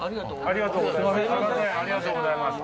ありがとうございます。